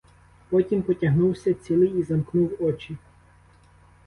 Потім потягнувся цілий і замкнув очі.